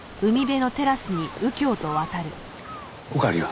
おかわりは？